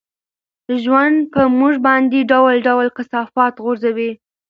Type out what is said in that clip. ژوند په موږ باندې ډول ډول کثافات غورځوي.